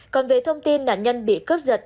còn về thông tin nạn nhân bị cướp giật